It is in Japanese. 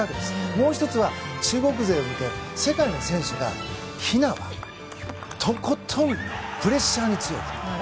もう１つは、中国勢を見て世界の選手が、ひなはとことんプレッシャーに強い。